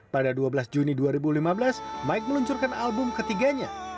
pada dua belas juni dua ribu lima belas mike meluncurkan album ketiganya